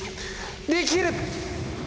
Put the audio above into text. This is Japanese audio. できるっ！